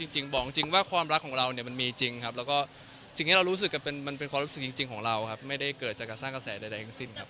จริงบอกจริงว่าความรักของเราเนี่ยมันมีจริงครับแล้วก็สิ่งที่เรารู้สึกมันเป็นความรู้สึกจริงของเราครับไม่ได้เกิดจากการสร้างกระแสใดทั้งสิ้นครับ